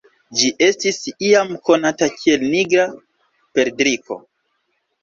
Ĝi estis iam konata kiel "Nigra perdriko".